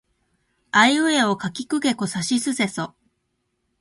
あいうえおかきくけこさしせそ